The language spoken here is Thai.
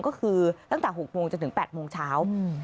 ก็คือตั้งแต่๖โมงจนถึง๘โมงเช้า